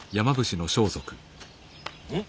うん？